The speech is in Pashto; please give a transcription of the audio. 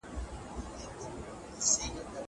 زه هره ورځ سپينکۍ پرېولم!